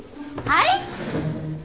はい！？